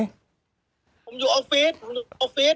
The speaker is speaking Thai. ผมอยู่ออฟฟิศ